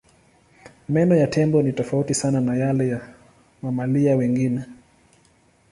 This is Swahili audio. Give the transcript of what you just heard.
Meno ya tembo ni tofauti sana na yale ya mamalia wengine.